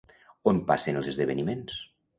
On passen els esdeveniments?